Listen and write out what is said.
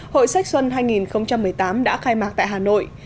hội sách xuân hai nghìn một mươi tám đã khai mạc tại hà nội